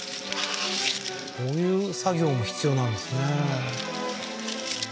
こういう作業も必要なんですね